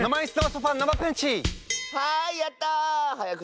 はいやった！